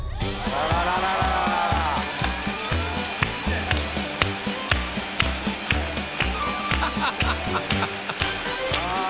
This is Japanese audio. ああ。